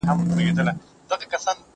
زه به اوبه پاکې کړې وي،